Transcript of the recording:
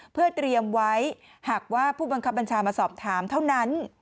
เพื่อเตรียมไว้หากว่าผู้บังคับบัญชามาสอบถามเท่านั้น